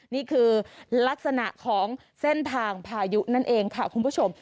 นี่คือลักษณะของเส้นทางพายุนั่นเองค่ะคุณผู้ชม